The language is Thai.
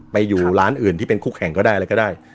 ไปอยู่ร้านอื่นที่เป็นคู่แข่งก็ได้อะไรก็ได้